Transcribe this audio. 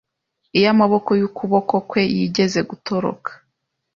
Iyo amaboko y'ukuboko kwe yigeze gutoroka